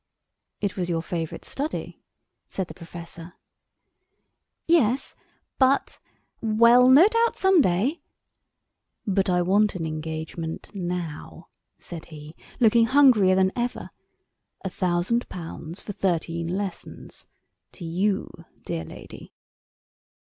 "It was your favourite study," said the professor. "Yes—but—well, no doubt some day——" "But I want an engagement now," said he, looking hungrier than ever; "a thousand pounds for thirteen lessons—to you, dear lady."